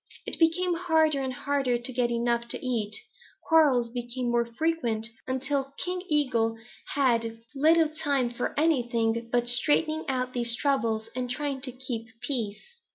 It became harder and harder to get enough to eat. Quarrels became more frequent, until King Eagle had little time for anything but straightening out these troubles and trying to keep peace.